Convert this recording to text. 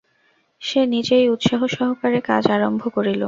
সে নিজেই উৎসাহসহকারে কাজ আরম্ভ করিল।